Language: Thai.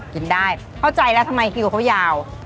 ชิคกี้พายรู้ใจแล้วทำไมกิวเค้ายาว